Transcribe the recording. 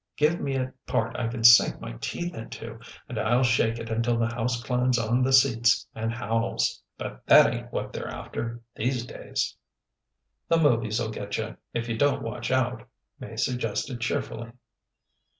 Give me a part I can sink my teeth into, and I'll shake it until the house climbs on the seats and howls. But that ain't what they're after, these days." "The movies'll get you, if you don't watch out," May suggested cheerfully.